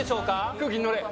空気に乗れ。